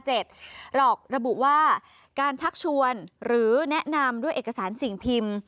หลอกระบุว่าการชักชวนหรือแนะนำด้วยเอกสารสิ่งพิมพ์